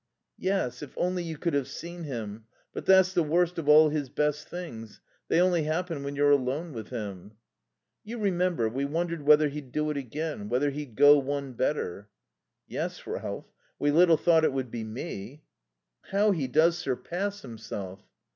"Yes. If only you could have seen him. But that's the worst of all his best things. They only happen when you're alone with him." "You remember we wondered whether he'd do it again, whether he'd go one better?" "Yes, Ralph. We little thought it would be me." "How he does surpass himself!"